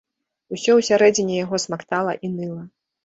Усё ўсярэдзіне яго смактала і ныла.